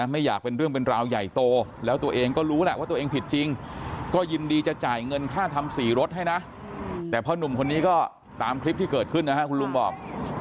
ไม่อยากเป็นเรื่องเป็นราวใหญ่โตแล้วตัวเองก็รู้แหละว่าตัวเองผิดจริงก็ยินดีจะจ่ายเงินค่าทำสีรถให้นะแต่พ่อหนุ่มคนนี้ก็ตามคลิปที่เกิดขึ้นนะฮะคุณลุงบอก